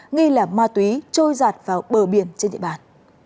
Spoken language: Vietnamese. nghi lẻ ma túy trôi giặt vào bờ biển trên địa bàn